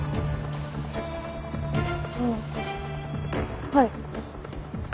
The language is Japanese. ああはい。